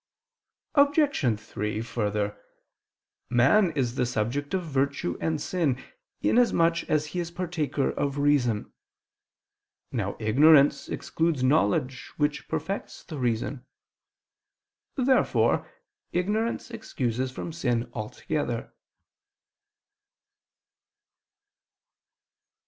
Obj. 3: Further, man is the subject of virtue and sin, inasmuch as he is partaker of reason. Now ignorance excludes knowledge which perfects the reason. Therefore ignorance excuses from sin altogether.